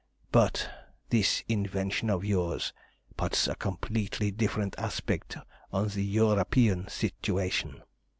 "But this invention of yours puts a completely different aspect on the European situation.